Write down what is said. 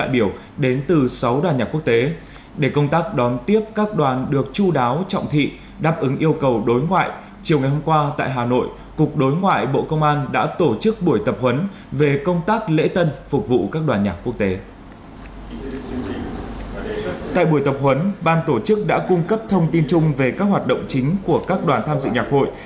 ban tổ chức đã cung cấp thông tin chung về các hoạt động chính của các đoàn tham dự nhạc hội